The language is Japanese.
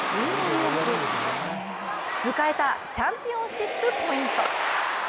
迎えたチャンピオンシップポイント。